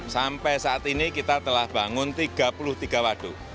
sampai saat ini kita telah bangun tiga puluh tiga waduk